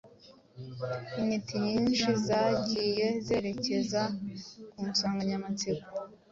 Intiti nyinshi zagiye zerekeza ku nsanganyamatsiko